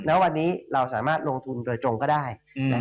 แล้ววันนี้เราสามารถลงทุนโดยตรงก็ได้